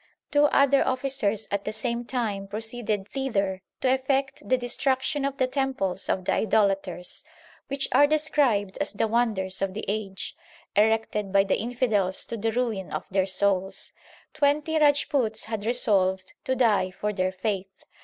Two other officers at the same time proceeded thither to effect the destruction of the temples of the idolaters, which are described as the wonders of the age, erected by the infidels to the ruin of their souls. Twenty Rajputs had resolved to die for their faith.